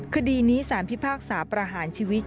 คดีนี้สารพิพากษาประหารชีวิต